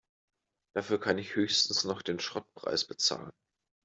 Dafür kann ich höchstens noch den Schrottpreis bezahlen.